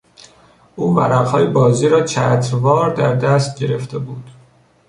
او ورقهای بازی را چتروار در دست گرفته بود.